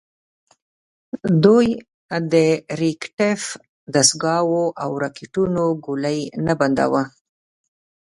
دوی د ریکتیف دستګاوو او راکېټونو ګولۍ نه بنداوه.